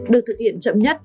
được thực hiện chậm nhất